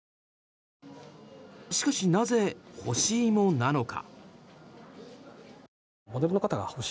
しかし、なぜ干し芋なのか。